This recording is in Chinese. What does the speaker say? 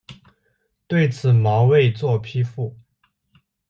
对此毛未作批复。